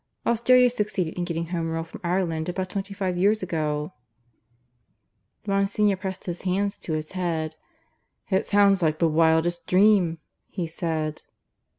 Australia succeeded in getting Home Rule from Ireland about twenty five years ago." Monsignor pressed his hands to his head. "It sounds like the wildest dream," he said.